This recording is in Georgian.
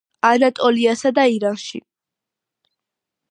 ანატოლიასა და ირანში.